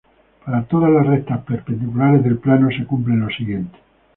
Para todas las rectas perpendiculares del plano se cumple lo siguiente.